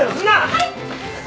はい！